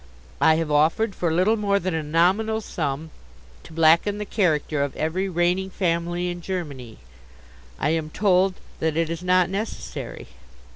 I have offered, for little more than a nominal sum, to blacken the character of every reigning family in Germany. I am told that it is not necessary.